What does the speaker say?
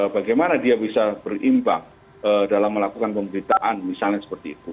bagaimana dia bisa berimbang dalam melakukan pemberitaan misalnya seperti itu